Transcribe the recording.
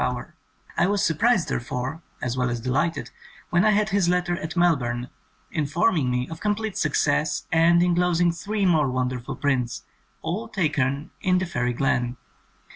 93 THE COMING OF THE FAIRIES I was surprised, therefore, as well as de lighted, when I had his letter at Melbourne, informing me of complete success and en closing three more wonderful prints, all taken in the fairy glen.